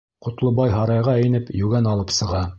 Ҡотлобай һарайға инеп йүгән алып сыға.